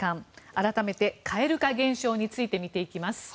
改めて蛙化現象について見ていきます。